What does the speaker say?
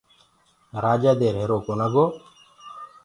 رآجآ دي ريهرو ڪونآ گو